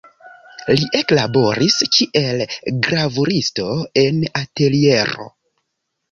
Li eklaboris kiel gravuristo en ateliero.